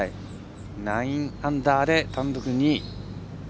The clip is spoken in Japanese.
９アンダーで単独２位。